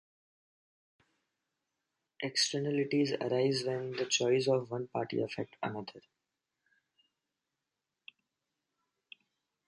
Externalities arise when the choices of one party affect another.